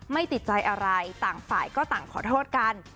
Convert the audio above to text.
ไม่ติดใจอะไรต่างฝ่ายก็ต่างขอโทษกัน